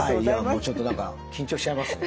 ちょっと何か緊張しちゃいますね。